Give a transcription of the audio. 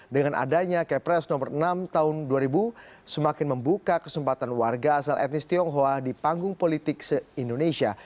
dengan adanya kepres nomor enam tahun dua ribu semakin membuka kesempatan warga asal etnis tionghoa di panggung politik se indonesia